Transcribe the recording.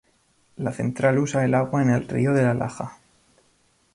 La central usa el agua del Río de La Laja.